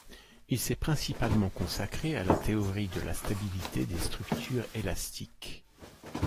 Il s'est principalement consacré à la théorie de la stabilité des structures élastiques.